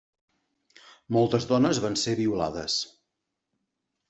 Moltes dones van ser violades.